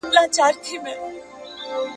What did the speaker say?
د نامردو ګوزارونه وار په وار سي ,